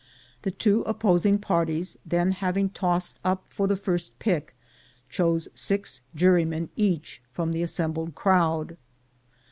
The two opposing parties then, having tossed up for the first pick, chose six jury men each from the assembled crowd.